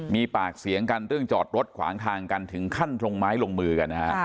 มีปากเสียงกันเรื่องจอดรถขวางทางกันถึงขั้นลงไม้ลงมือกันนะฮะ